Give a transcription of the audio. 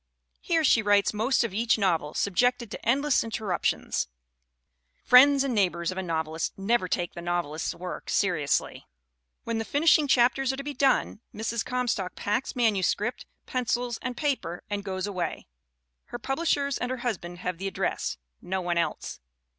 Here she writes HARRIET T. COMSTOCK 339 most of each novel, subjected to endless interruptions friends and neighbors of a novelist never take the novelist's work seriously. When the finishing chap ters are to be done Mrs. Comstock packs manuscript, pencils and paper and goes away. Her publishers and her husband have the address no one else.